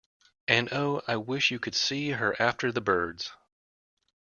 And oh, I wish you could see her after the birds!